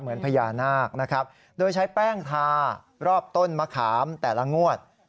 เหมือนพญานาคนะครับโดยใช้แป้งทารอบต้นมะขามแต่ละงวด